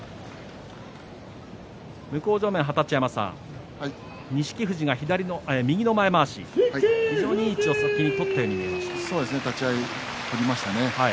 向正面の二十山さん錦富士が右の前まわし非常にいい位置を取ったように立ち合い、取りましたね。